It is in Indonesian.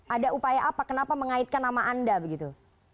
ada upaya apa kenapa mengaitkan nama anda begitu